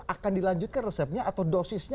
akan dilanjutkan resepnya atau dosisnya